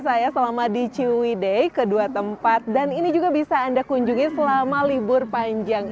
saya selama di ciwide kedua tempat dan ini juga bisa anda kunjungi selama libur panjang